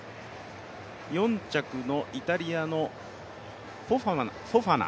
４着のイタリアのフォファナ。